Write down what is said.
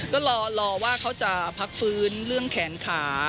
ก็รอว่าเขาจะพักฟื้นเรื่องแขนขา